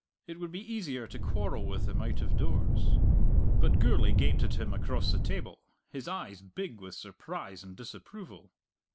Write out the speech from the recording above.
It would be easier to quarrel with him out of doors. But Gourlay gaped at him across the table, his eyes big with surprise and disapproval.